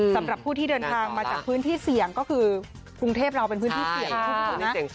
สำหรับผู้ที่เดินทางมาจากพื้นที่เสี่ยงก็คือกรุงเทพเราเป็นพื้นที่เสี่ยงคุณผู้ชมนะ